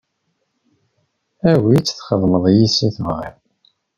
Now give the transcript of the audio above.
Awi-tt txedmeḍ yes-s i tebɣiḍ.